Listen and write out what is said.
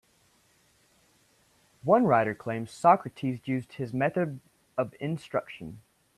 One writer claims Socrates used his method of instruction.